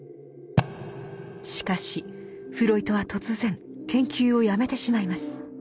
しかしフロイトは突然研究をやめてしまいます。